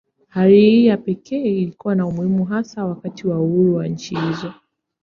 Hali hii ya pekee ilikuwa na umuhimu hasa wakati wa uhuru wa nchi hizo.